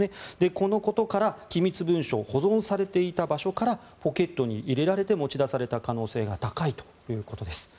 このことから機密文書が保存されていた場所からポケットに入れられて持ち出された可能性が高いということです。